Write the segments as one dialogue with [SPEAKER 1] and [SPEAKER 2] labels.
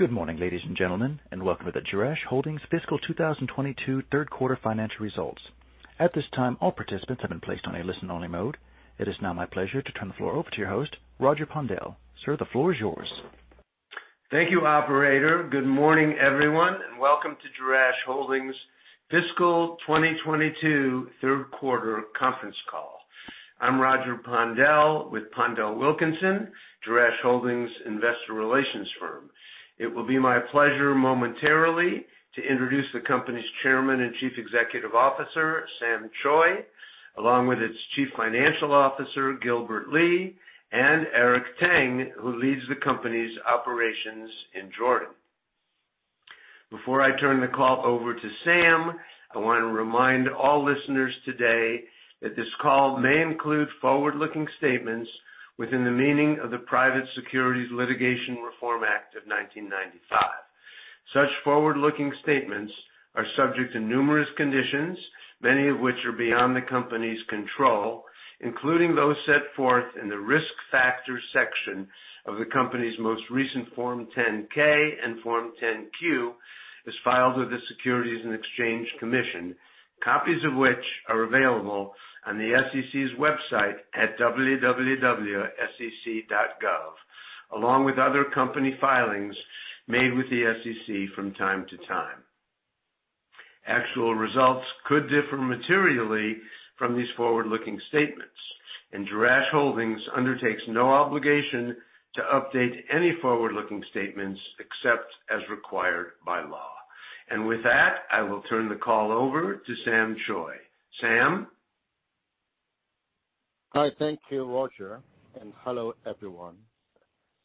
[SPEAKER 1] Good morning, ladies and gentlemen, and welcome to the Jerash Holdings Fiscal 2022 third quarter financial results. At this time, all participants have been placed on a listen-only mode. It is now my pleasure to turn the floor over to your host, Roger Pondel. Sir, the floor is yours.
[SPEAKER 2] Thank you, operator. Good morning everyone, and welcome to Jerash Holdings fiscal 2022 third quarter conference call. I'm Roger Pondel with PondelWilkinson, Jerash Holdings investor relations firm. It will be my pleasure momentarily to introduce the company's Chairman and Chief Executive Officer, Sam Choi, along with its Chief Financial Officer, Gilbert Lee, and Eric Tang, who leads the company's operations in Jordan. Before I turn the call over to Sam, I wanna remind all listeners today that this call may include forward-looking statements within the meaning of the Private Securities Litigation Reform Act of 1995. Such forward-looking statements are subject to numerous conditions, many of which are beyond the company's control, including those set forth in the Risk Factors section of the company's most recent Form 10-K and Form 10-Q, as filed with the Securities and Exchange Commission, copies of which are available on the SEC's website at www.sec.gov, along with other company filings made with the SEC from time to time. Actual results could differ materially from these forward-looking statements, and Jerash Holdings undertakes no obligation to update any forward-looking statements except as required by law. With that, I will turn the call over to Sam Choi. Sam?
[SPEAKER 3] Hi. Thank you, Roger, and hello everyone.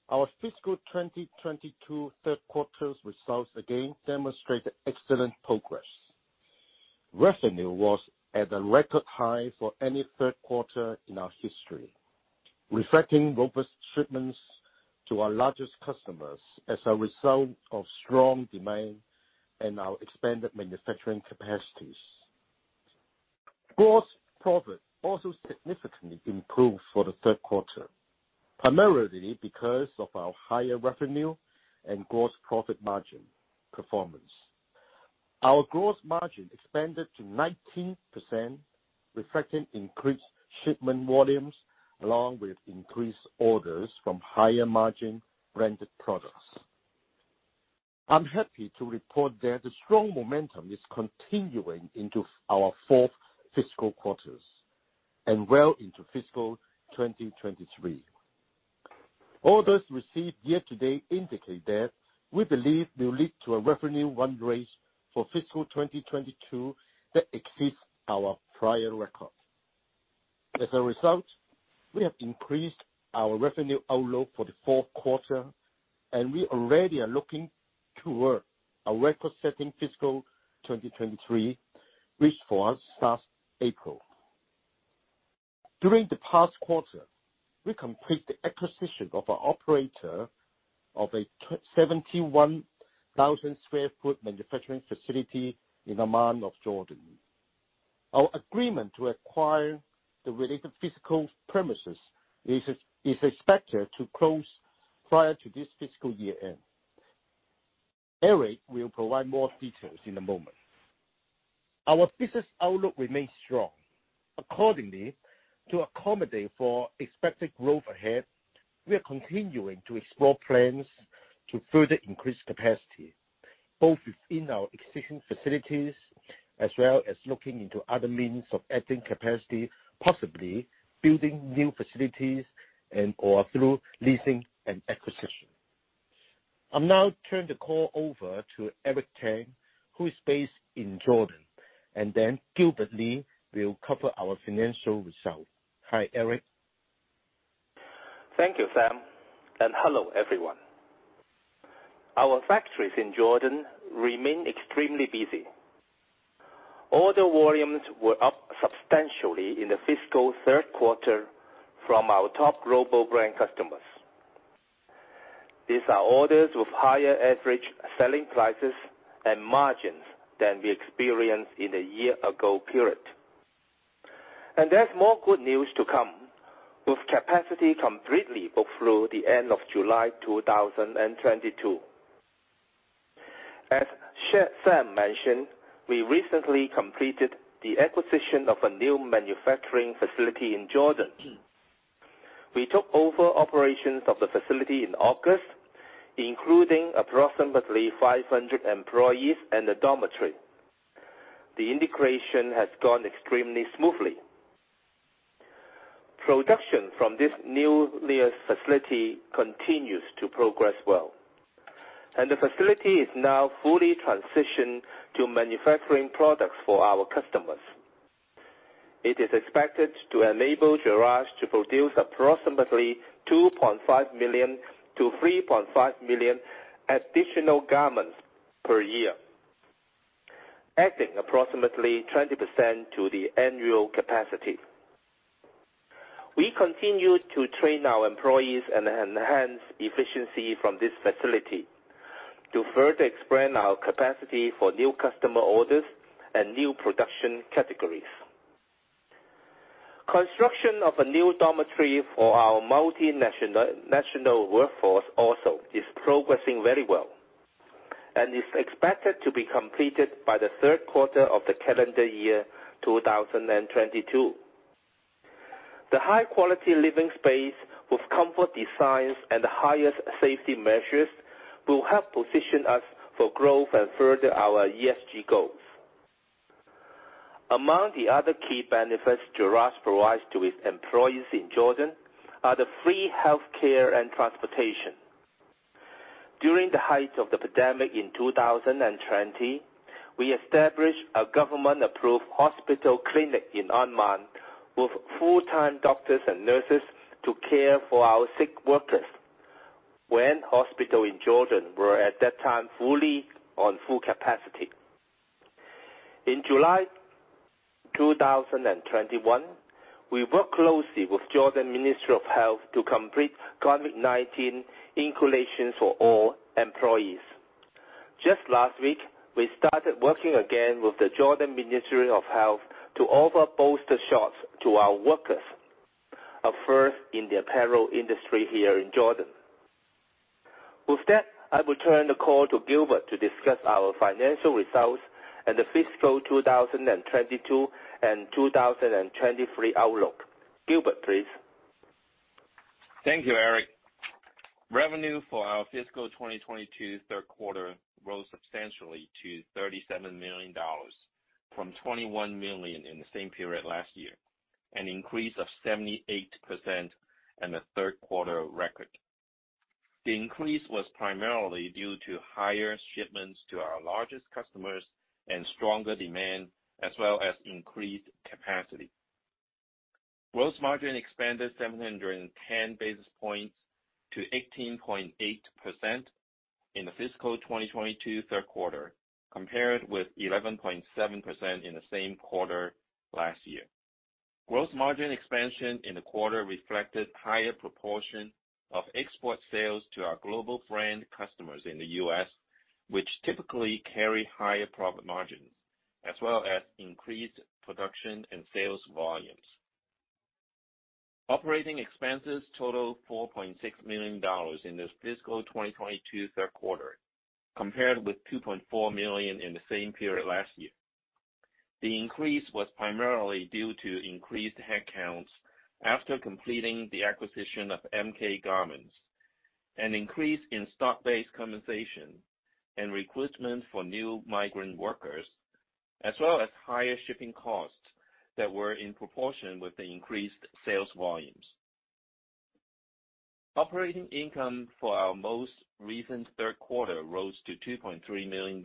[SPEAKER 3] Our fiscal 2022 third quarter's results again demonstrated excellent progress. Revenue was at a record high for any third quarter in our history, reflecting robust shipments to our largest customers as a result of strong demand and our expanded manufacturing capacities. Gross profit also significantly improved for the third quarter, primarily because of our higher revenue and gross profit margin performance. Our gross margin expanded to 19%, reflecting increased shipment volumes along with increased orders from higher margin branded products. I'm happy to report that the strong momentum is continuing into our fourth fiscal quarters and well into fiscal 2023. Orders received year to date indicate that we believe will lead to a revenue run rate for fiscal 2022 that exceeds our prior record. As a result, we have increased our revenue outlook for the fourth quarter, and we already are looking toward a record-setting fiscal 2023, which for us starts April. During the past quarter, we completed the acquisition of our operator of a 71,000 sq ft manufacturing facility in Amman, Jordan. Our agreement to acquire the related physical premises is expected to close prior to this fiscal year end. Eric Tang will provide more details in a moment. Our business outlook remains strong. Accordingly, to accommodate for expected growth ahead, we are continuing to explore plans to further increase capacity, both within our existing facilities as well as looking into other means of adding capacity, possibly building new facilities and/or through leasing and acquisition. I'll now turn the call over to Eric Tang, who is based in Jordan, and then Gilbert Lee will cover our financial results. Hi, Eric.
[SPEAKER 4] Thank you, Sam, and hello everyone. Our factories in Jordan remain extremely busy. Order volumes were up substantially in the fiscal third quarter from our top global brand customers. These are orders with higher average selling prices and margins than we experienced in the year ago period. There's more good news to come, with capacity completely booked through the end of July 2022. As Sam mentioned, we recently completed the acquisition of a new manufacturing facility in Jordan. We took over operations of the facility in August, including approximately 500 employees and a dormitory. The integration has gone extremely smoothly. Production from this new lease facility continues to progress well, and the facility is now fully transitioned to manufacturing products for our customers. It is expected to enable Jerash to produce approximately 2.5 million-3.5 million additional garments per year, adding approximately 20% to the annual capacity. We continue to train our employees and enhance efficiency from this facility to further expand our capacity for new customer orders and new production categories. Construction of a new dormitory for our multinational, national workforce also is progressing very well and is expected to be completed by the third quarter of the calendar year 2022. The high quality living space with comfort designs and the highest safety measures will help position us for growth and further our ESG goals. Among the other key benefits Jerash provides to its employees in Jordan are the free health care and transportation. During the height of the pandemic in 2020, we established a government-approved hospital clinic in Amman with full-time doctors and nurses to care for our sick workers when hospitals in Jordan were at that time at full capacity. In July 2021, we worked closely with Jordan Ministry of Health to complete COVID-19 inoculation for all employees. Just last week, we started working again with the Jordan Ministry of Health to offer booster shots to our workers, a first in the apparel industry here in Jordan. With that, I will turn the call to Gilbert to discuss our financial results and the fiscal 2022 and 2023 outlook. Gilbert, please.
[SPEAKER 5] Thank you, Eric. Revenue for our fiscal 2022 third quarter rose substantially to $37 million from $21 million in the same period last year, an increase of 78% and a third-quarter record. The increase was primarily due to higher shipments to our largest customers and stronger demand, as well as increased capacity. Gross margin expanded 710 basis points to 18.8% in the fiscal 2022 third quarter, compared with 11.7% in the same quarter last year. Gross margin expansion in the quarter reflected higher proportion of export sales to our global brand customers in the U.S., which typically carry higher profit margins as well as increased production and sales volumes. Operating expenses totaled $4.6 million in the fiscal 2022 third quarter, compared with $2.4 million in the same period last year. The increase was primarily due to increased headcounts after completing the acquisition of MK Garments, an increase in stock-based compensation and recruitment for new migrant workers, as well as higher shipping costs that were in proportion with the increased sales volumes. Operating income for our most recent third quarter rose to $2.3 million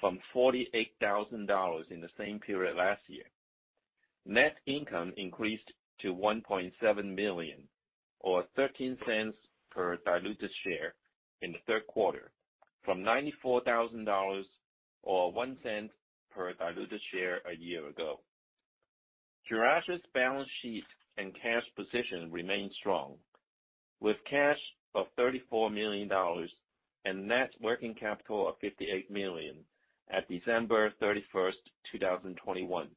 [SPEAKER 5] from $48,000 in the same period last year. Net income increased to $1.7 million or $0.13 per diluted share in the third quarter from $94,000 or $0.01 per diluted share a year ago. Jerash's balance sheet and cash position remain strong with cash of $34 million and net working capital of $58 million at December 31, 2021.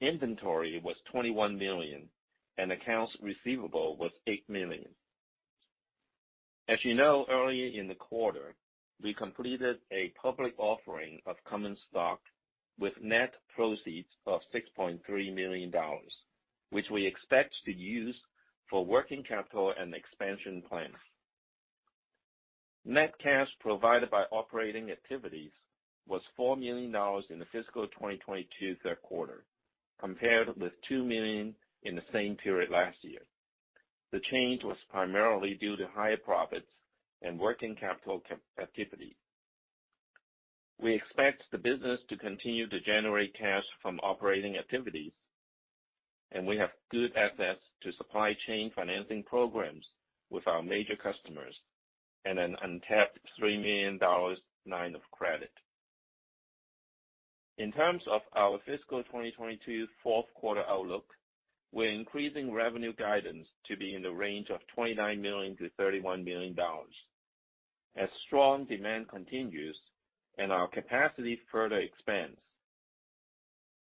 [SPEAKER 5] Inventory was $21 million and accounts receivable was $8 million. As you know, early in the quarter, we completed a public offering of common stock with net proceeds of $6.3 million, which we expect to use for working capital and expansion plans. Net cash provided by operating activities was $4 million in the fiscal 2022 third quarter, compared with $2 million in the same period last year. The change was primarily due to higher profits and working capital activity. We expect the business to continue to generate cash from operating activities, and we have good access to supply chain financing programs with our major customers and an untapped $3 million line of credit. In terms of our fiscal 2022 fourth quarter outlook, we're increasing revenue guidance to be in the range of $29 million-$31 million as strong demand continues and our capacity further expands.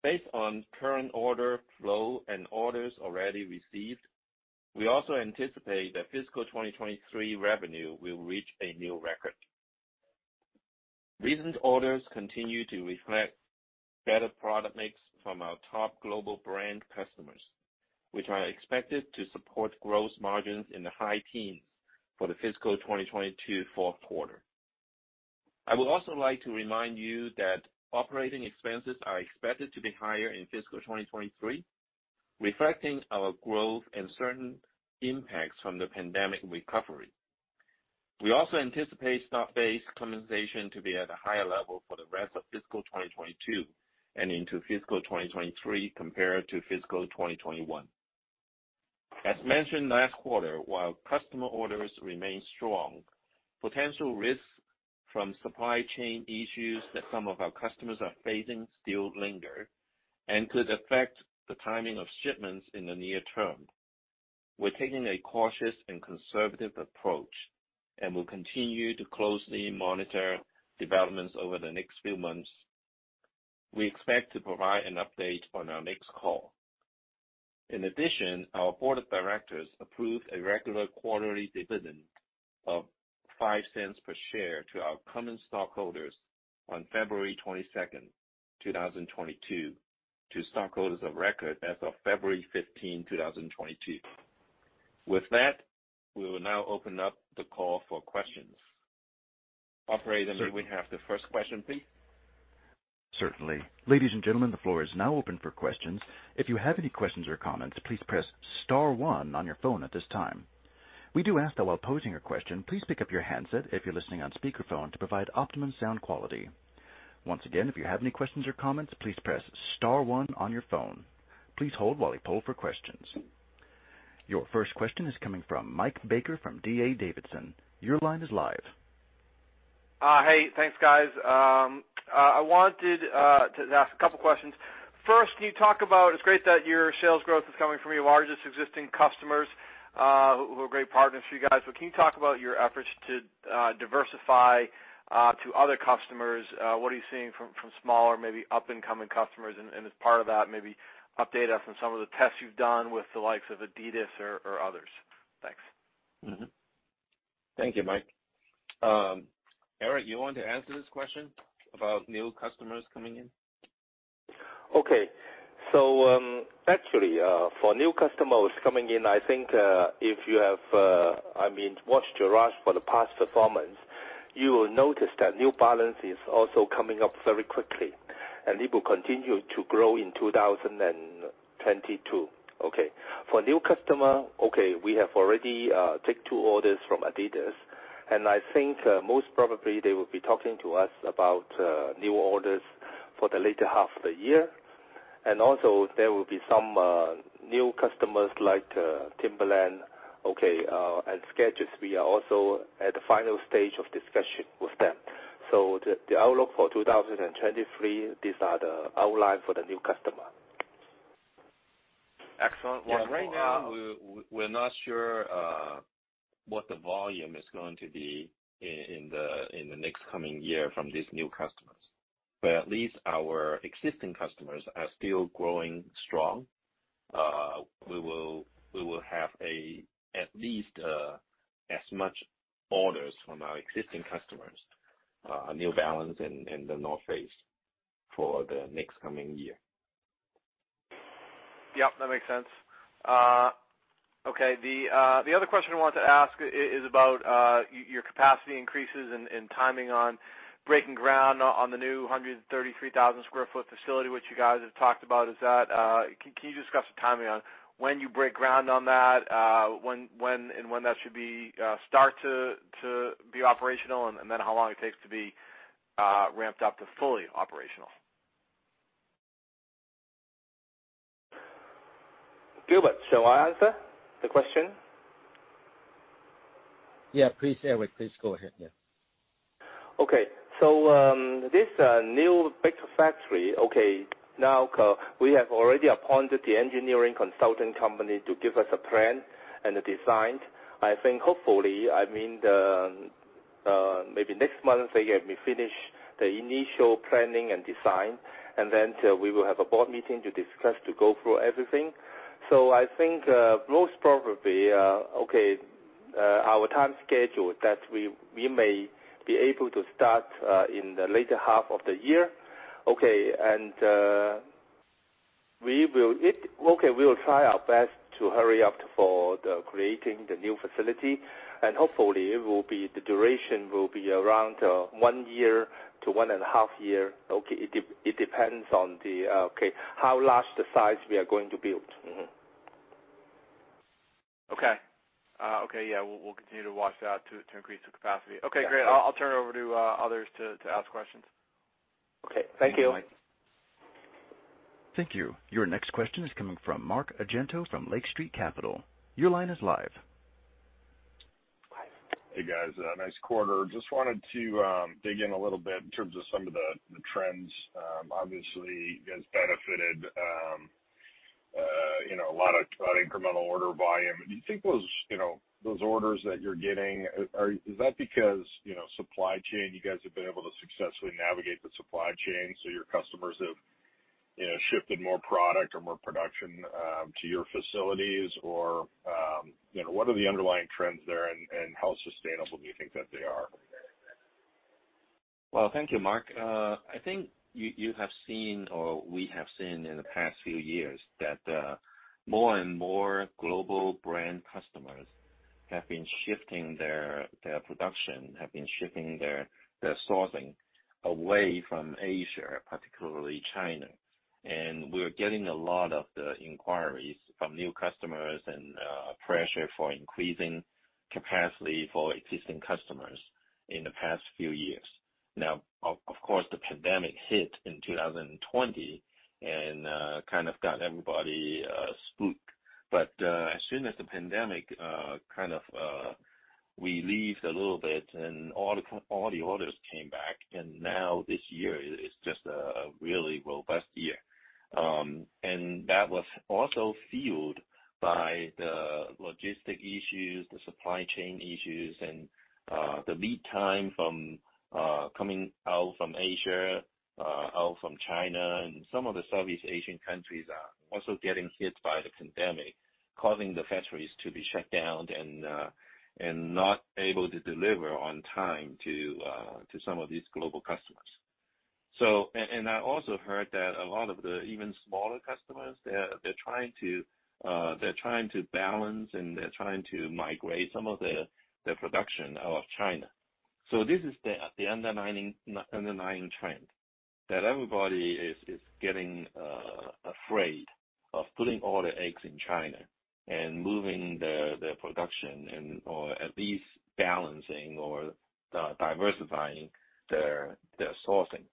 [SPEAKER 5] Based on current order flow and orders already received, we also anticipate that fiscal 2023 revenue will reach a new record. Recent orders continue to reflect better product mix from our top global brand customers, which are expected to support growth margins in the high teens for the fiscal 2022 fourth quarter. I would also like to remind you that operating expenses are expected to be higher in fiscal 2023, reflecting our growth and certain impacts from the pandemic recovery. We also anticipate stock-based compensation to be at a higher level for the rest of fiscal 2022 and into fiscal 2023 compared to fiscal 2021. As mentioned last quarter, while customer orders remain strong, potential risks from supply chain issues that some of our customers are facing still linger and could affect the timing of shipments in the near term. We're taking a cautious and conservative approach, and we'll continue to closely monitor developments over the next few months. We expect to provide an update on our next call. In addition, our board of directors approved a regular quarterly dividend of $0.05 per share to our common stockholders on February 22, 2022, to stockholders of record as of February 15, 2022. With that, we will now open up the call for questions. Operator, may we have the first question, please?
[SPEAKER 1] Certainly. Ladies and gentlemen, the floor is now open for questions. If you have any questions or comments, please press star one on your phone at this time. We do ask that while posing your question, please pick up your handset if you're listening on speakerphone to provide optimum sound quality. Once again, if you have any questions or comments, please press star one on your phone. Please hold while we poll for questions. Your first question is coming from Michael Baker from D.A. Davidson. Your line is live.
[SPEAKER 6] Hey. Thanks, guys. I wanted to ask a couple questions. First, it's great that your sales growth is coming from your largest existing customers, who are great partners for you guys. But can you talk about your efforts to diversify to other customers? What are you seeing from smaller, maybe up-and-coming customers? And as part of that, maybe update us on some of the tests you've done with the likes of Adidas or others. Thanks.
[SPEAKER 5] Mm-hmm. Thank you, Mike. Eric, you want to answer this question about new customers coming in?
[SPEAKER 4] Okay. Actually, for new customers coming in, I think, if you have, I mean, watched Jerash for the past performance, you will notice that New Balance is also coming up very quickly, and it will continue to grow in 2022. Okay. For new customer, okay, we have already take two orders from Adidas, and I think, most probably they will be talking to us about new orders for the later half of the year. Also, there will be some new customers like Timberland, okay, and Skechers. We are also at the final stage of discussion with them. The outlook for 2023, these are the outline for the new customer.
[SPEAKER 6] Excellent.
[SPEAKER 5] Yeah. Right now, we're not sure what the volume is going to be in the next coming year from these new customers. At least our existing customers are still growing strong. We will have at least as much orders from our existing customers, New Balance and The North Face for the next coming year.
[SPEAKER 6] Yep, that makes sense. Okay. The other question I wanted to ask is about your capacity increases and timing on breaking ground on the new 133,000 sq ft facility, which you guys have talked about. Can you discuss the timing on when you break ground on that, when and when that should start to be operational, and then how long it takes to be ramped up to fully operational?
[SPEAKER 4] Gilbert, shall I answer the question?
[SPEAKER 5] Yeah, please, Eric. Please go ahead. Yeah.
[SPEAKER 4] This new big factory, now we have already appointed the engineering consulting company to give us a plan and a design. I think hopefully, I mean, maybe next month, they may finish the initial planning and design, and then we will have a board meeting to discuss to go through everything. I think most probably, okay, our time schedule that we may be able to start in the later half of the year, okay. Okay, we'll try our best to hurry up for the creating the new facility, and hopefully it will be, the duration will be around one year to one and a half year. Okay. It depends on the, okay, how large the size we are going to build.
[SPEAKER 6] Okay. Okay, yeah. We'll continue to watch that to increase the capacity. Okay, great.
[SPEAKER 5] Yeah.
[SPEAKER 6] I'll turn it over to others to ask questions.
[SPEAKER 5] Okay. Thank you.
[SPEAKER 6] Thank you, Mike.
[SPEAKER 1] Thank you. Your next question is coming from Mark Argento from Lake Street Capital. Your line is live.
[SPEAKER 5] Hi.
[SPEAKER 7] Hey, guys. Nice quarter. Just wanted to dig in a little bit in terms of some of the trends. Obviously you guys benefited, you know, a lot from incremental order volume. Do you think those, you know, orders that you're getting is that because, you know, supply chain, you guys have been able to successfully navigate the supply chain, so your customers have, you know, shifted more product or more production to your facilities? You know, what are the underlying trends there and how sustainable do you think that they are?
[SPEAKER 5] Well, thank you, Mark. I think you have seen or we have seen in the past few years that more and more global brand customers have been shifting their production and sourcing away from Asia, particularly China. We're getting a lot of the inquiries from new customers and pressure for increasing capacity for existing customers in the past few years. Now, of course, the pandemic hit in 2020 and kind of got everybody spooked. As soon as the pandemic kind of eased a little bit and all the orders came back, and now this year is just a really robust year. That was also fueled by the logistics issues, the supply chain issues, and the lead time from coming out from Asia, out from China, and some of the Southeast Asian countries are also getting hit by the pandemic, causing the factories to be shut down and not able to deliver on time to some of these global customers. I also heard that a lot of the even smaller customers, they're trying to balance and they're trying to migrate some of their production out of China. This is the underlying trend that everybody is getting afraid of putting all their eggs in China and moving their production and/or at least balancing or diversifying their sourcing.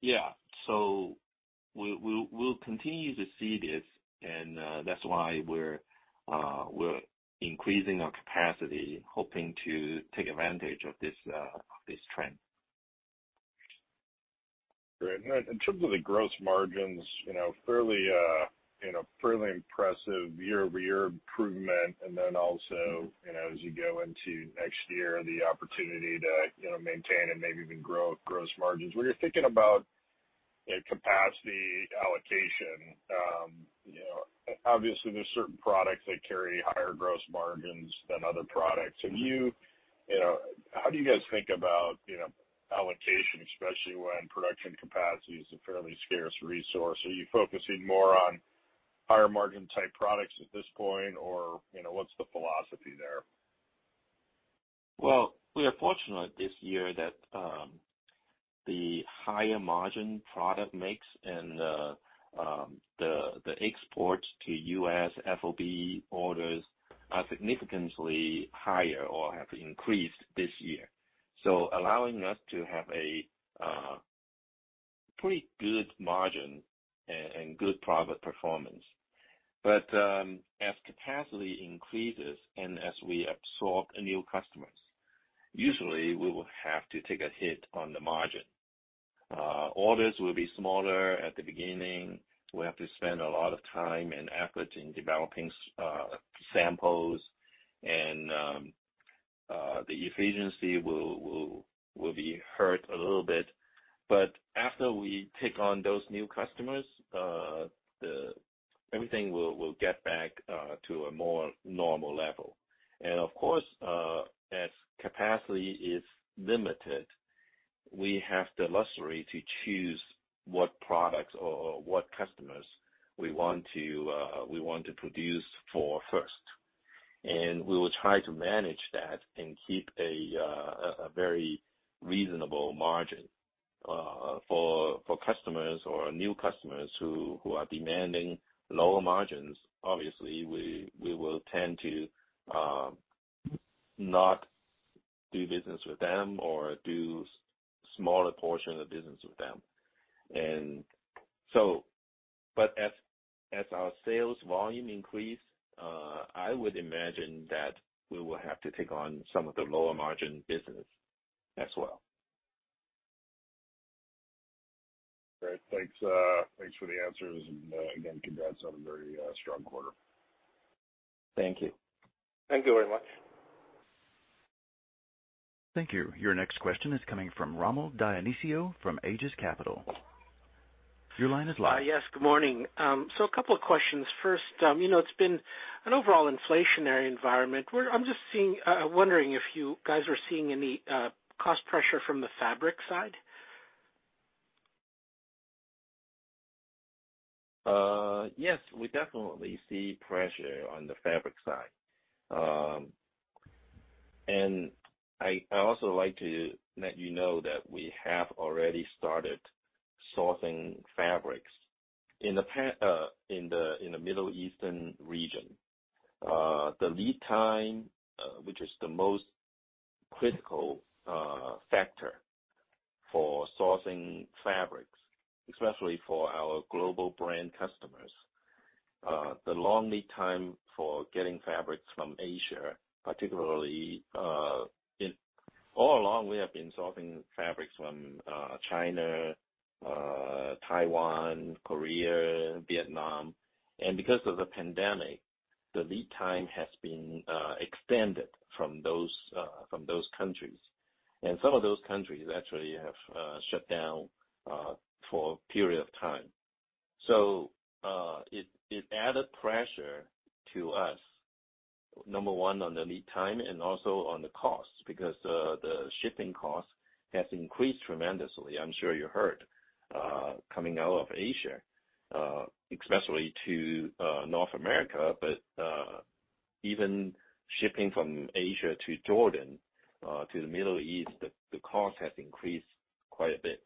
[SPEAKER 5] Yeah, we'll continue to see this, and that's why we're increasing our capacity, hoping to take advantage of this trend.
[SPEAKER 7] Great. In terms of the gross margins, you know, fairly, you know, fairly impressive year-over-year improvement. Then also, you know, as you go into next year, the opportunity to, you know, maintain and maybe even grow gross margins. When you're thinking about, you know, capacity allocation, you know, obviously there's certain products that carry higher gross margins than other products. Can you know, how do you guys think about, you know, allocation, especially when production capacity is a fairly scarce resource? Are you focusing more on higher margin type products at this point, or, you know, what's the philosophy there?
[SPEAKER 5] Well, we are fortunate this year that the higher margin product mix and the exports to U.S. FOB orders are significantly higher or have increased this year, allowing us to have a pretty good margin and good profit performance. As capacity increases and as we absorb new customers, usually we will have to take a hit on the margin. Orders will be smaller at the beginning. We have to spend a lot of time and effort in developing samples. The efficiency will be hurt a little bit. After we take on those new customers, everything will get back to a more normal level. Of course, as capacity is limited, we have the luxury to choose what products or what customers we want to produce for first. We will try to manage that and keep a very reasonable margin for customers or new customers who are demanding lower margins. Obviously, we will tend to not do business with them or do smaller portion of business with them. As our sales volume increase, I would imagine that we will have to take on some of the lower margin business as well.
[SPEAKER 7] Great. Thanks for the answers. Again, congrats on a very strong quarter.
[SPEAKER 5] Thank you. Thank you very much.
[SPEAKER 1] Thank you. Your next question is coming from Rommel Dionisio from Aegis Capital. Your line is live.
[SPEAKER 8] Yes, good morning. A couple of questions. First, you know, it's been an overall inflationary environment. I'm just seeing, wondering if you guys are seeing any cost pressure from the fabric side?
[SPEAKER 5] Yes, we definitely see pressure on the fabric side. I also like to let you know that we have already started sourcing fabrics in the Middle Eastern region. The lead time, which is the most critical factor for sourcing fabrics, especially for our global brand customers, the long lead time for getting fabrics from Asia, particularly. All along, we have been sourcing fabrics from China, Taiwan, Korea, Vietnam. Because of the pandemic, the lead time has been extended from those countries. Some of those countries actually have shut down for a period of time. It added pressure to us, number one, on the lead time and also on the costs, because the shipping costs have increased tremendously. I'm sure you heard, coming out of Asia, especially to North America. Even shipping from Asia to Jordan, to the Middle East, the cost has increased quite a bit.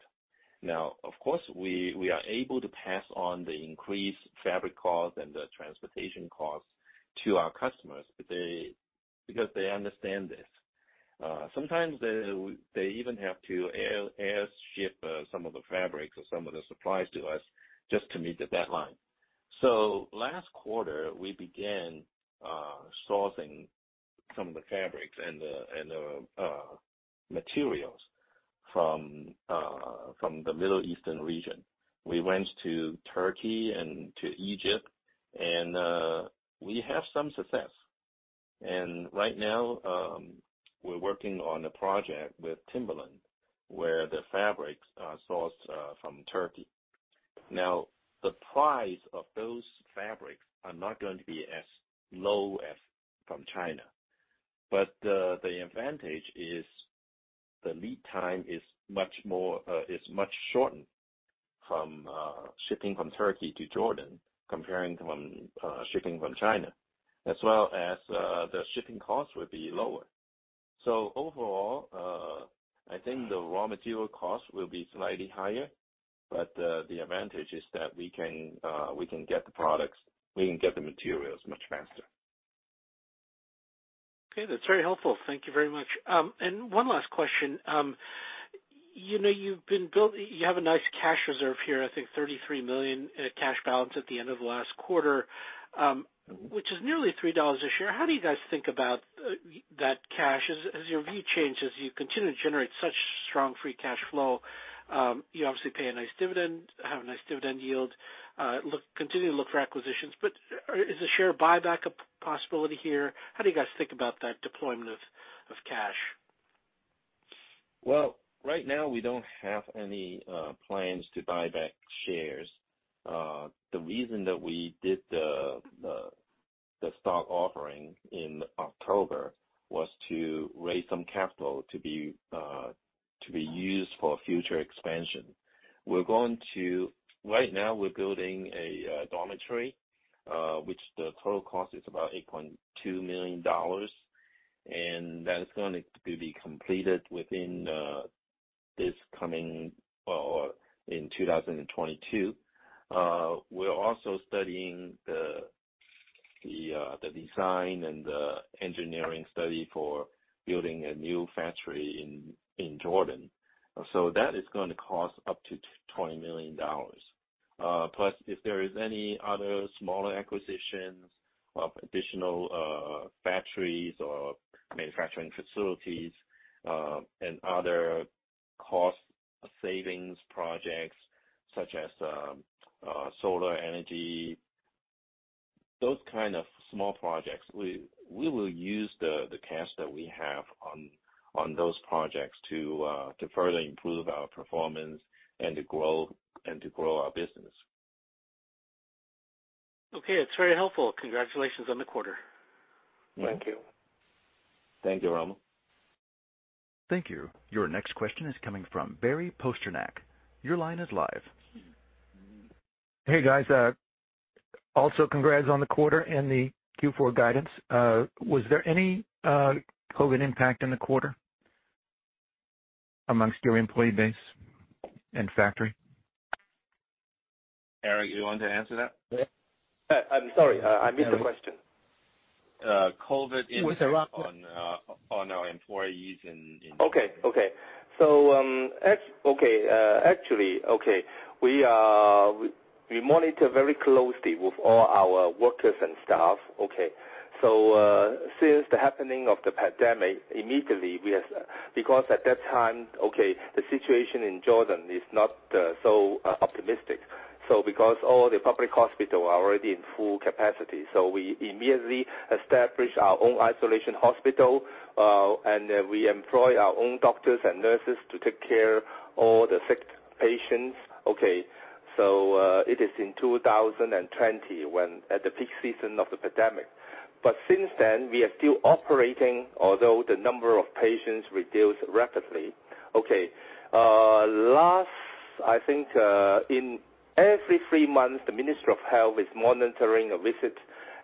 [SPEAKER 5] Now, of course, we are able to pass on the increased fabric costs and the transportation costs to our customers because they understand this. Sometimes they even have to air ship some of the fabrics or some of the supplies to us just to meet the deadline. Last quarter, we began sourcing some of the fabrics and the materials from the Middle Eastern region. We went to Turkey and to Egypt, and we have some success. Right now, we're working on a project with Timberland where the fabrics are sourced from Turkey. Now, the price of those fabrics are not going to be as low as from China. The advantage is the lead time is much shortened from shipping from Turkey to Jordan compared to shipping from China, as well as the shipping costs will be lower. Overall, I think the raw material cost will be slightly higher, but the advantage is that we can get the products, we can get the materials much faster.
[SPEAKER 8] Okay, that's very helpful. Thank you very much. One last question. You know, you have a nice cash reserve here, I think $33 million cash balance at the end of last quarter, which is nearly $3 a share. How do you guys think about that cash as your view changes, you continue to generate such strong free cash flow? You obviously pay a nice dividend, have a nice dividend yield, continue to look for acquisitions. Is a share buyback a possibility here? How do you guys think about that deployment of cash?
[SPEAKER 5] Well, right now we don't have any plans to buy back shares. The reason that we did the stock offering in October was to raise some capital to be used for future expansion. Right now we're building a dormitory, which the total cost is about $8.2 million, and that's going to be completed within this coming year or in 2022. We're also studying the design and the engineering study for building a new factory in Jordan. So that is gonna cost up to $20 million. Plus, if there is any other smaller acquisitions of additional factories or manufacturing facilities, and other cost savings projects such as solar energy, those kind of small projects, we will use the cash that we have on those projects to further improve our performance and to grow our business.
[SPEAKER 8] Okay. That's very helpful. Congratulations on the quarter.
[SPEAKER 5] Thank you.
[SPEAKER 4] Thank you, Rommel.
[SPEAKER 1] Thank you. Your next question is coming from Barry Posternak. Your line is live.
[SPEAKER 9] Hey, guys. Also congrats on the quarter and the Q4 guidance. Was there any COVID impact in the quarter amongst your employee base and factory?
[SPEAKER 5] Eric, you want to answer that?
[SPEAKER 4] Yeah.
[SPEAKER 5] I'm sorry. I missed the question.
[SPEAKER 4] Yeah.
[SPEAKER 5] COVID impact
[SPEAKER 4] We interrupt.
[SPEAKER 5] ....on our employees in Jordan.
[SPEAKER 4] Actually, we monitor very closely with all our workers and staff, okay? Since the happening of the pandemic, immediately we have. Because at that time, the situation in Jordan is not so optimistic. Because all the public hospital are already in full capacity, we immediately established our own isolation hospital, and we employ our own doctors and nurses to take care of all the sick patients, okay? It is in 2020 when, at the peak season of the pandemic. Since then, we are still operating although the number of patients reduced rapidly. Lately, I think, in every three months, the Ministry of Health is monitoring a visit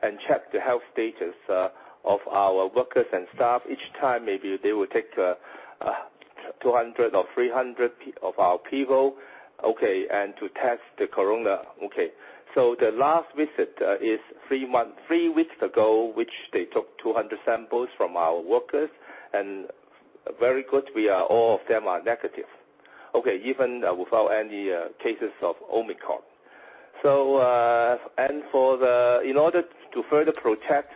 [SPEAKER 4] and check the health status of our workers and staff. Each time maybe they will take 200 or 300 of our people, okay, and to test the corona, okay. The last visit is three weeks ago, which they took 200 samples from our workers and very good, all of them are negative. Okay. Even without any cases of Omicron. In order to further protect,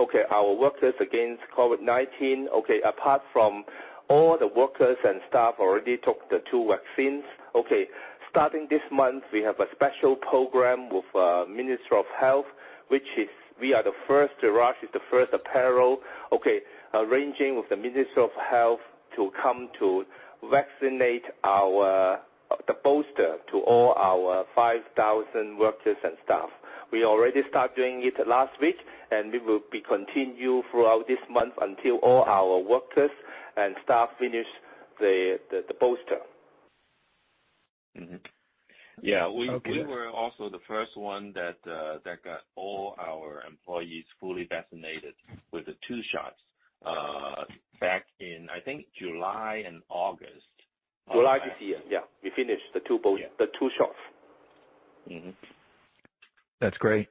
[SPEAKER 4] okay, our workers against COVID-19, okay, apart from all the workers and staff already took the two vaccines, okay. Starting this month, we have a special program with Jordan Ministry of Health, which is we are the first, Jerash is the first apparel, okay, arranging with the Jordan Ministry of Health to come to vaccinate our the booster to all our 5,000 workers and staff. We already start doing it last week, and we will be continue throughout this month until all our workers and staff finish the booster.
[SPEAKER 5] Mm-hmm. Yeah.
[SPEAKER 9] Okay.
[SPEAKER 5] We were also the first one that got all our employees fully vaccinated with the two shots back in, I think, July and August.
[SPEAKER 4] July this year. Yeah. We finished the two boost-
[SPEAKER 5] Yeah.
[SPEAKER 4] ....the two shots.
[SPEAKER 5] Mm-hmm.
[SPEAKER 9] That's great.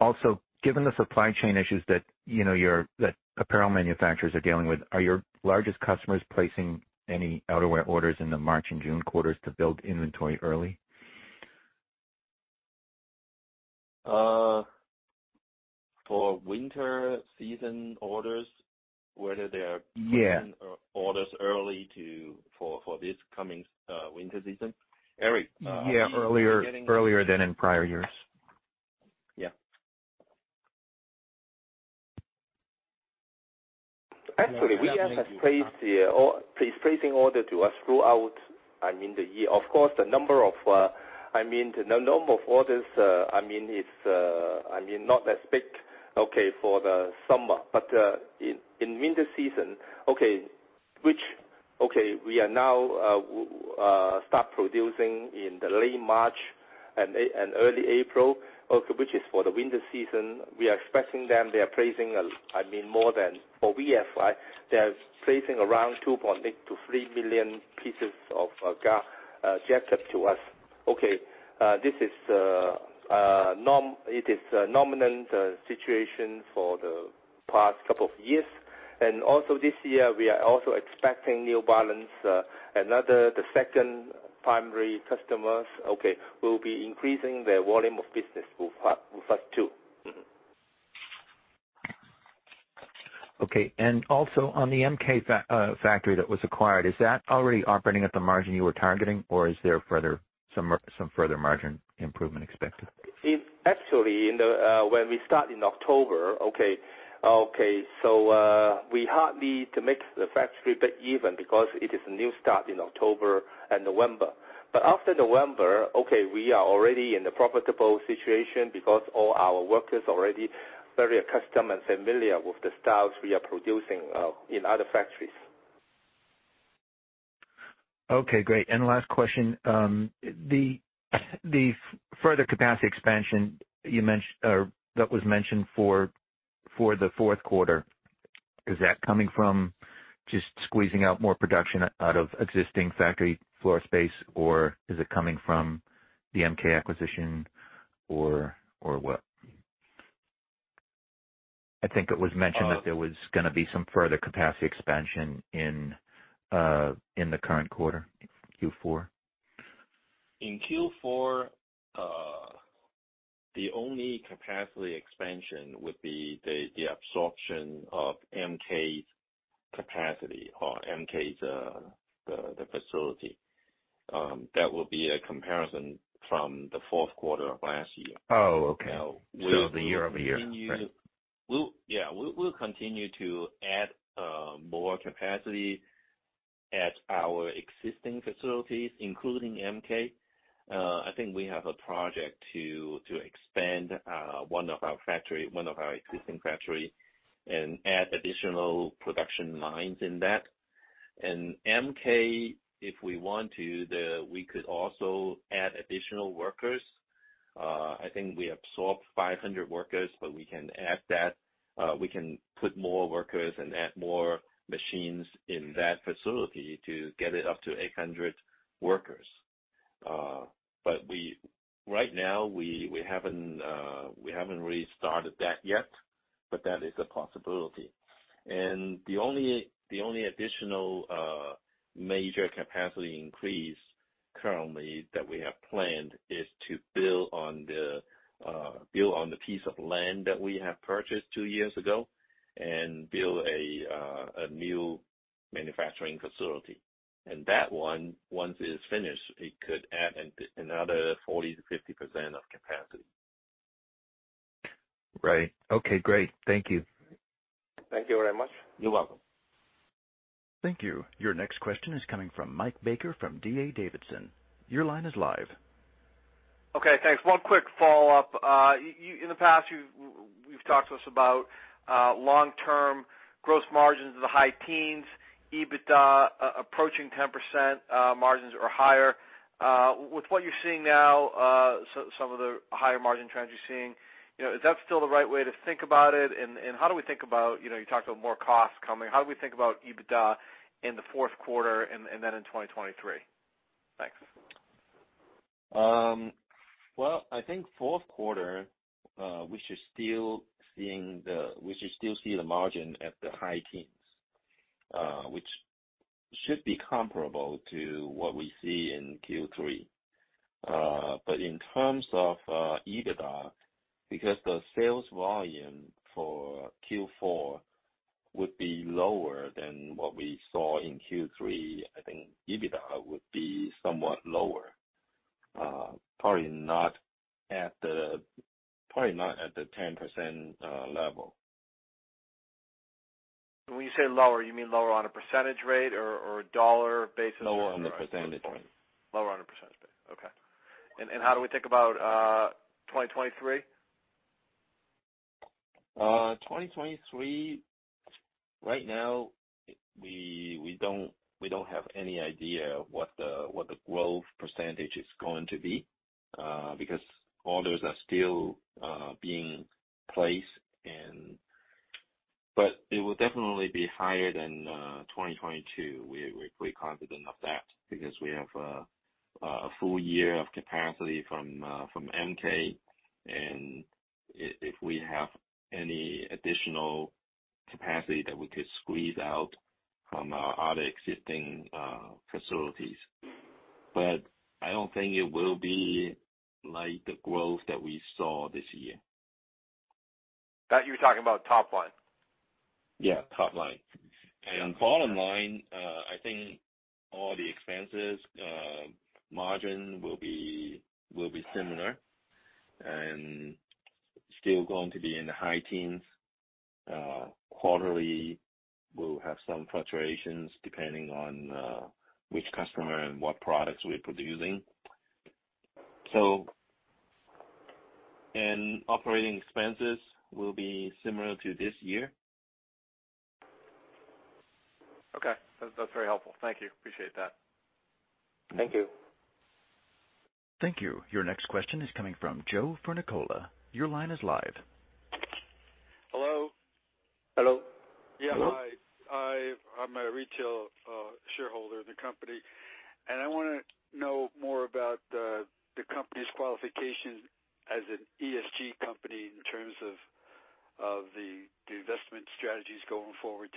[SPEAKER 9] Also, given the supply chain issues that, you know, that apparel manufacturers are dealing with, are your largest customers placing any outerwear orders in the March and June quarters to build inventory early?
[SPEAKER 5] For winter season orders, whether they are.
[SPEAKER 9] Yeah.
[SPEAKER 5] ....placing orders early for this coming winter season? Eric, are you getting-
[SPEAKER 9] Yeah, earlier than in prior years.
[SPEAKER 5] Yeah. Actually, VF has placed, or is placing, orders to us throughout, I mean, the year. Of course, the number of orders, I mean, it's not as big, okay, for the summer. In winter season, okay, which we are now start producing in late March and early April, which is for the winter season. We are expecting them, they are placing, I mean, VF, they are placing around 2.8-3 million pieces of jackets to us. Okay, this is a nominal situation for the past couple of years. This year, we are also expecting New Balance, the second primary customer, okay, will be increasing their volume of business with us too. Mm-hmm.
[SPEAKER 9] Okay. Also on the MK factory that was acquired, is that already operating at the margin you were targeting, or is there some further margin improvement expected?
[SPEAKER 5] Actually, when we start in October, okay, so we're hardly able to make the factory break even because it is a new start in October and November. After November, okay, we are already in a profitable situation because all our workers are already very accustomed and familiar with the styles we are producing in other factories.
[SPEAKER 9] Okay, great. Last question. The further capacity expansion that was mentioned for the fourth quarter, is that coming from just squeezing out more production out of existing factory floor space, or is it coming from the MK acquisition or what? I think it was mentioned that there was gonna be some further capacity expansion in the current quarter, Q4.
[SPEAKER 5] In Q4, the only capacity expansion would be the absorption of MK capacity or MK's facility. That will be a comparison from the fourth quarter of last year.
[SPEAKER 9] Oh, okay.
[SPEAKER 5] We'll continue.
[SPEAKER 9] The year-over-year. Right.
[SPEAKER 5] We'll continue to add more capacity at our existing facilities, including MK. I think we have a project to expand one of our existing factories and add additional production lines in that. MK, if we want to, we could also add additional workers. I think we absorbed 500 workers, but we can add that. We can put more workers and add more machines in that facility to get it up to 800 workers. Right now, we haven't really started that yet, but that is a possibility. The only additional major capacity increase currently that we have planned is to build on the piece of land that we have purchased two years ago and build a new manufacturing facility. That one, once it's finished, it could add another 40%-50% of capacity.
[SPEAKER 9] Right. Okay, great. Thank you.
[SPEAKER 5] Thank you very much.
[SPEAKER 3] You're welcome.
[SPEAKER 1] Thank you. Your next question is coming from Michael Baker from D.A. Davidson. Your line is live.
[SPEAKER 6] Okay, thanks. One quick follow-up. In the past, you've talked to us about long-term gross margins in the high teens, EBITDA approaching 10%, margins or higher. With what you're seeing now, so some of the higher margin trends you're seeing, you know, is that still the right way to think about it? How do we think about, you know, you talked about more costs coming. How do we think about EBITDA in the fourth quarter and then in 2023? Thanks.
[SPEAKER 5] Well, I think fourth quarter we should still see the margin at the high teens, which should be comparable to what we see in Q3. But in terms of EBITDA, because the sales volume for Q4 would be lower than what we saw in Q3, I think EBITDA would be somewhat lower, probably not at the 10% level.
[SPEAKER 6] When you say lower, you mean lower on a percentage rate or dollar basis?
[SPEAKER 5] Lower on the percentage rate.
[SPEAKER 6] Lower on a percentage rate. Okay. How do we think about 2023?
[SPEAKER 5] 2023, right now, we don't have any idea what the growth percentage is going to be, because orders are still being placed. It will definitely be higher than 2022. We're pretty confident of that because we have a full year of capacity from MK and if we have any additional capacity that we could squeeze out from our other existing facilities. I don't think it will be like the growth that we saw this year. That you're talking about top line? Yeah, top line. Bottom line, I think all the expenses, margin will be similar and still going to be in the high teens. Quarterly we'll have some fluctuations depending on which customer and what products we're producing. Operating expenses will be similar to this year. Okay. That's very helpful. Thank you. Appreciate that. Thank you.
[SPEAKER 1] Thank you. Your next question is coming from Joe Furnicola. Your line is live.
[SPEAKER 10] Hello?
[SPEAKER 5] Hello.
[SPEAKER 10] Yeah. Hi. I'm a retail shareholder of the company, and I want to know more about the company's qualification as an ESG company in terms of the investment strategies going forward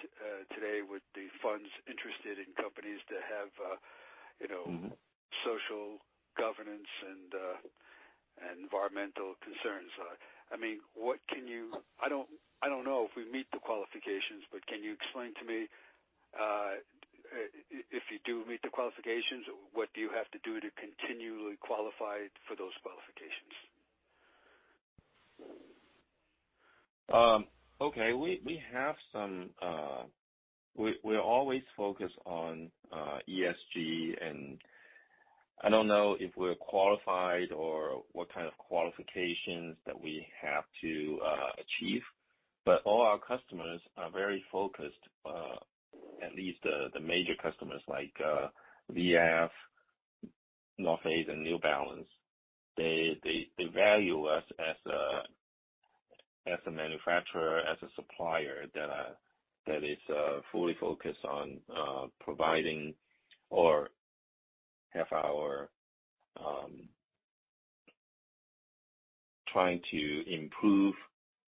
[SPEAKER 10] today, with the funds interested in companies that have, you know, social governance and environmental concerns. I mean, I don't know if we meet the qualifications, but can you explain to me if you do meet the qualifications, what do you have to do to continually qualify for those qualifications?
[SPEAKER 5] We always focus on ESG, and I don't know if we're qualified or what kind of qualifications that we have to achieve, but all our customers are very focused, at least the major customers like VF, The North Face and New Balance. They value us as a manufacturer, as a supplier that is fully focused on trying to improve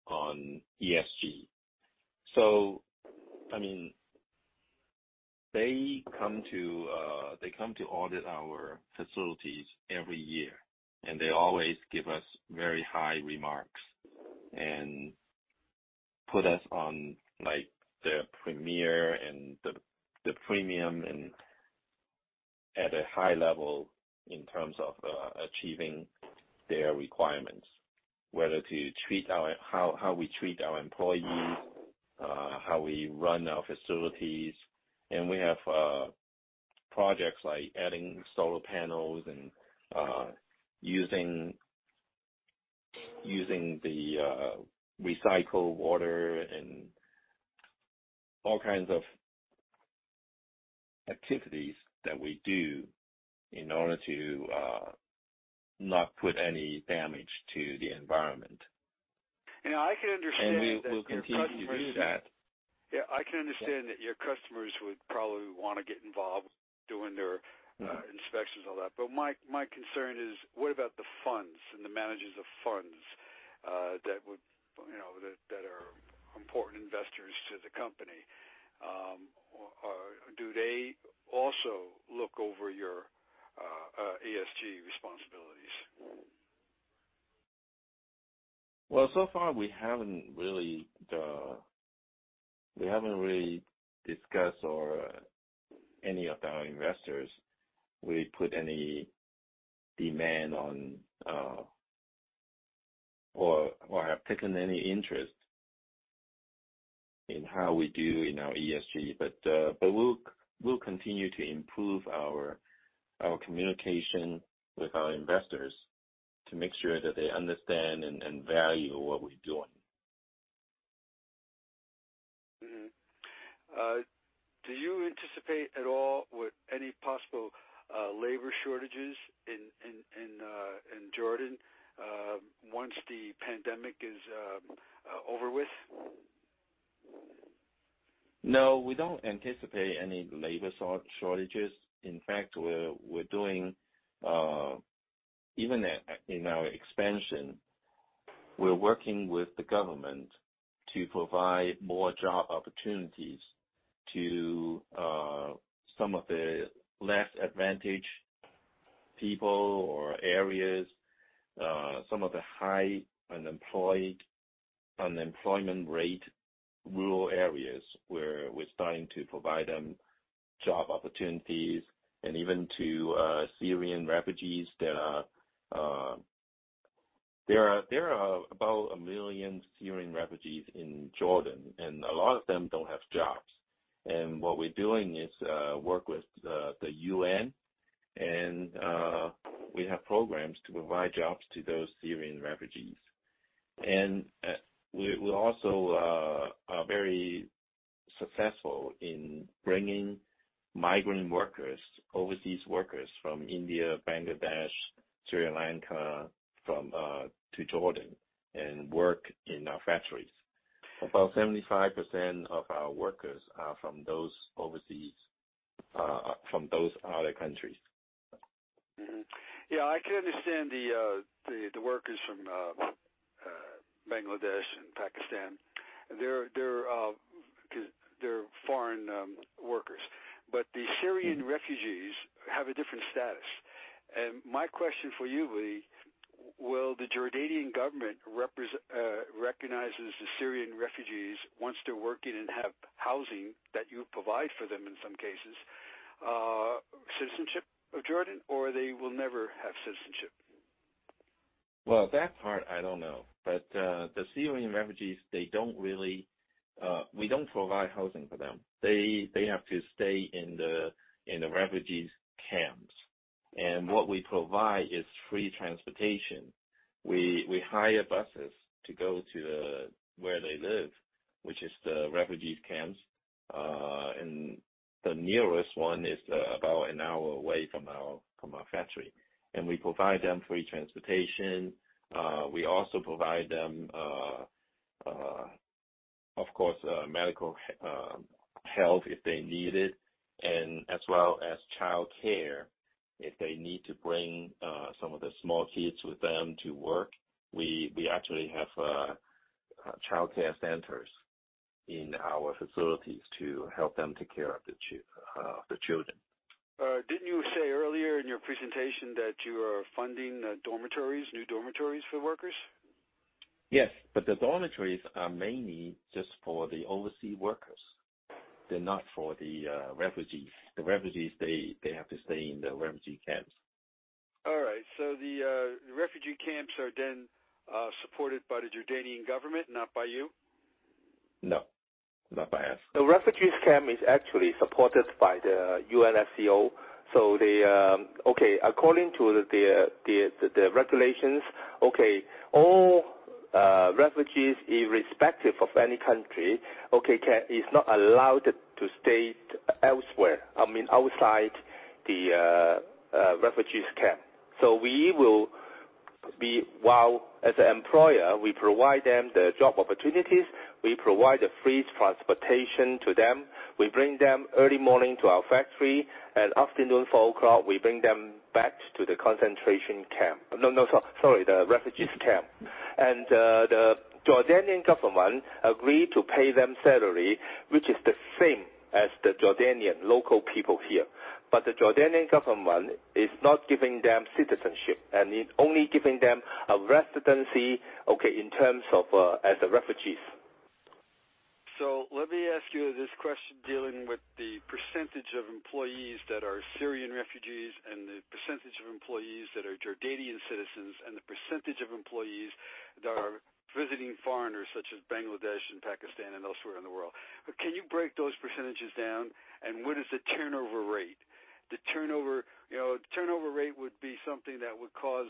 [SPEAKER 5] on ESG. I mean, they come to audit our facilities every year, and they always give us very high remarks and put us on, like, their premier and the premium and at a high level in terms of achieving their requirements, whether how we treat our employees, how we run our facilities. We have projects like adding solar panels and using the recycled water and all kinds of activities that we do in order to not put any damage to the environment.
[SPEAKER 10] You know, I can understand that your customers.
[SPEAKER 5] We will continue to do that.
[SPEAKER 10] Yeah, I can understand that your customers would probably wanna get involved doing their inspections, all that. My concern is, what about the funds and the managers of funds, you know, that are important investors to the company? Do they also look over your ESG responsibilities?
[SPEAKER 5] Well, so far we haven't really discussed it with any of our investors. We haven't put any demand on or have taken any interest in how we do in our ESG. We'll continue to improve our communication with our investors to make sure that they understand and value what we're doing.
[SPEAKER 10] Do you anticipate at all with any possible labor shortages in Jordan once the pandemic is over with?
[SPEAKER 5] No, we don't anticipate any labor shortages. In fact, we're doing even in our expansion, we're working with the government to provide more job opportunities to some of the less advantaged people or areas, some of the high unemployment rate rural areas where we're starting to provide them job opportunities and even to Syrian refugees. There are about one million Syrian refugees in Jordan, and a lot of them don't have jobs. What we're doing is work with the UN, and we have programms to provide jobs to those during. We also are very successful in bringing migrant workers, overseas workers from India, Bangladesh, Sri Lanka, to Jordan and work in our factories. About 75% of our workers are from those other countries.
[SPEAKER 10] Yeah, I can understand the workers from Bangladesh and Pakistan. They're foreign workers. The Syrian refugees have a different status. My question for you, Gilbert Lee, will the Jordanian government recognizes the Syrian refugees once they're working and have housing that you provide for them in some cases, citizenship of Jordan, or they will never have citizenship?
[SPEAKER 5] Well, that part I don't know. The Syrian refugees, we don't provide housing for them. They have to stay in the refugee camps. What we provide is free transportation. We hire buses to go to where they live, which is the refugee camps. The nearest one is about an hour away from our factory. We provide them free transportation. We also provide them, of course, medical health if they need it. As well as childcare if they need to bring some of the small kids with them to work. We actually have childcare centers in our facilities to help them take care of the children.
[SPEAKER 10] Didn't you say earlier in your presentation that you are funding dormitories, new dormitories for the workers?
[SPEAKER 5] Yes. The dormitories are mainly just for the overseas workers. They're not for the refugees. The refugees they have to stay in the refugee camps.
[SPEAKER 10] All right. The refugee camps are then supported by the Jordanian government, not by you?
[SPEAKER 5] No, not by us.
[SPEAKER 4] The refugee camp is actually supported by the UNHCR. They okay, according to the regulations, okay, all refugees, irrespective of any country, okay, is not allowed to stay elsewhere. I mean, outside the refugee camp. While as an employer, we provide them the job opportunities, we provide the free transportation to them. We bring them early morning to our factory. Afternoon, 4:00 P.M., we bring them back to the concentration camp. No, no, sorry, the refugee camp. The Jordanian government agreed to pay them salary, which is the same as the Jordanian local people here. But the Jordanian government is not giving them citizenship and is only giving them a residency, okay, in terms of as the refugees.
[SPEAKER 10] Let me ask you this question dealing with the percentage of employees that are Syrian refugees and the percentage of employees that are Jordanian citizens, and the percentage of employees that are visiting foreigners, such as Bangladesh and Pakistan and elsewhere in the world. Can you break those percentages down? What is the turnover rate? The turnover, you know, turnover rate would be something that would cause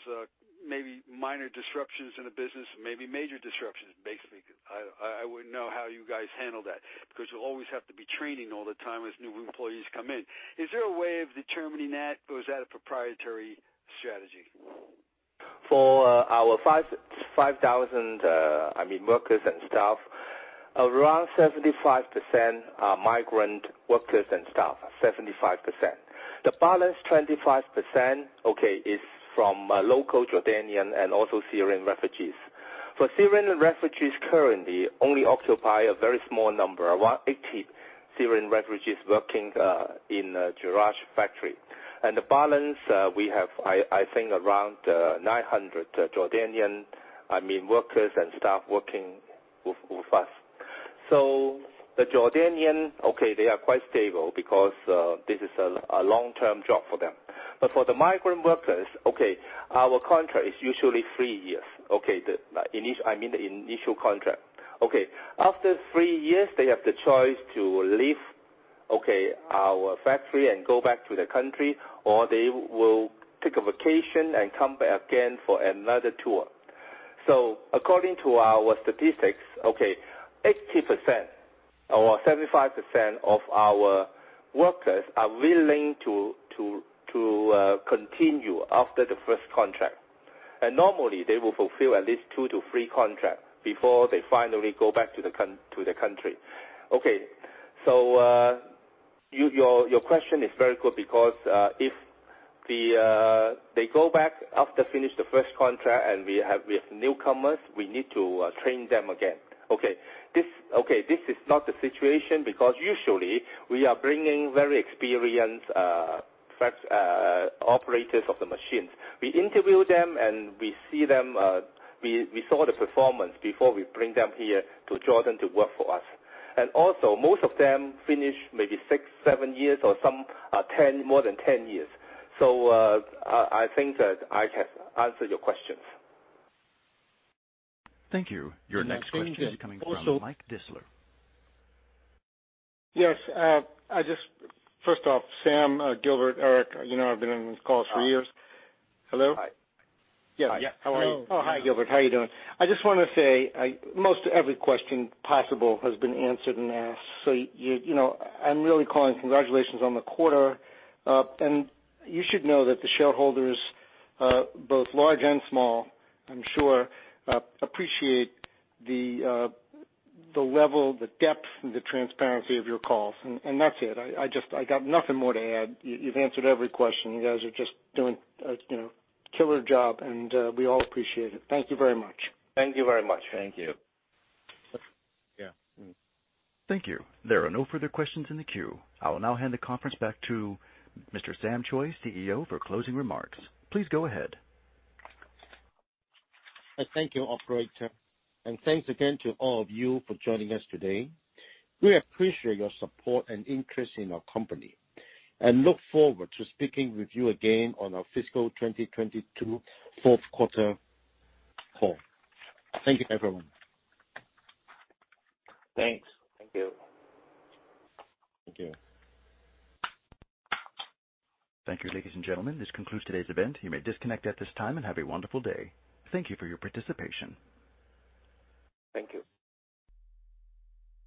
[SPEAKER 10] maybe minor disruptions in the business, maybe major disruptions, basically. I wouldn't know how you guys handle that. Because you'll always have to be training all the time as new employees come in. Is there a way of determining that, or is that a proprietary strategy?
[SPEAKER 4] For our 5,000 workers and staff, around 75% are migrant workers and staff. 75%. The balance 25%, is from local Jordanian and also Syrian refugees. Syrian refugees currently only occupy a very small number. About 80 Syrian refugees working in Jerash factory. The balance, we have I think around 900 Jordanian, I mean, workers and staff working with us. The Jordanian, they are quite stable because this is a long-term job for them. For the migrant workers, our contract is usually three years. The initial contract. After three years, they have the choice to leave our factory and go back to their country, or they will take a vacation and come back again for another tour. According to our statistics, 80% or 75% of our workers are willing to continue after the first contract. Normally they will fulfill at least 2-3 contracts before they finally go back to their country. Your question is very good because if they go back after finishing the first contract and we have newcomers, we need to train them again. This is not the situation because usually we are bringing very experienced flex operators of the machines. We interview them and we see them, we saw the performance before we bring them here to Jordan to work for us. Also most of them finish maybe 6-7 years or some 10, more than 10 years. I think that I have answered your questions.
[SPEAKER 1] Thank you. Your next question is coming from Mike Distler.
[SPEAKER 11] Yes. First off, Sam, Gilbert, Eric, you know, I've been in this call for years. Hello?
[SPEAKER 5] Hi.
[SPEAKER 10] Yeah. How are you?
[SPEAKER 5] Hello.
[SPEAKER 11] Oh, hi, Gilbert. How are you doing? I just wanna say, most every question possible has been answered and asked. You know, I'm really calling. Congratulations on the quarter. You should know that the shareholders, both large and small, I'm sure, appreciate the level, the depth and the transparency of your calls. That's it. I just got nothing more to add. You've answered every question. You guys are just doing a, you know, killer job, and we all appreciate it. Thank you very much.
[SPEAKER 4] Thank you very much.
[SPEAKER 5] Thank you.
[SPEAKER 11] Yeah. Mm-hmm.
[SPEAKER 1] Thank you. There are no further questions in the queue. I will now hand the conference back to Mr. Sam Choi, CEO, for closing remarks. Please go ahead.
[SPEAKER 4] Thank you, operator. Thanks again to all of you for joining us today. We appreciate your support and interest in our company, and look forward to speaking with you again on our fiscal 2022 fourth quarter call. Thank you everyone.
[SPEAKER 5] Thanks.
[SPEAKER 11] Thank you.
[SPEAKER 4] Thank you.
[SPEAKER 1] Thank you, ladies and gentlemen. This concludes today's event. You may disconnect at this time, and have a wonderful day. Thank you for your participation.
[SPEAKER 4] Thank you.